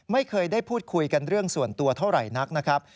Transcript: ไม่เคยได้พูดคุยกันเรื่องส่วนตัวเท่าไหร่นักนะครับ